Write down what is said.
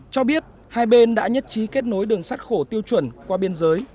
cho biết hai bên đã nhất trí kết nối đường sát khổ tiêu chuẩn qua biên giới